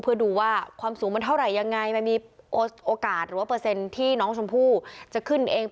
เพื่อดูว่าความสูงมันเท่าไหร่ยังไงมันมีโอกาสหรือว่าเปอร์เซ็นต์ที่น้องชมพู่จะขึ้นเอง